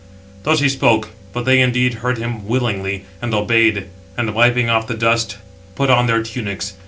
Thus he spoke; but they indeed heard him willingly, and obeyed; and, wiping off the dust, put on their tunics.